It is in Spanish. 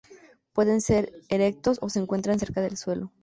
Pueden ser erectos o se encuentran cerca del suelo.